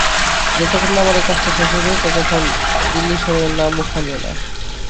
যতক্ষণে না আমার এই কাজটা শেষ হইবে, ততক্ষণ দিল্লীশ্বরের নাম মুখে আনিয়ো না।